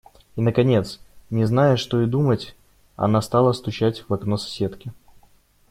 И, наконец, не зная, что и думать, она стала стучать в окно соседке.